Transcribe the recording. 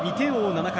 ７回。